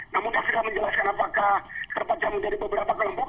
namun daftar menjelaskan apakah terpecah menjadi beberapa kelompok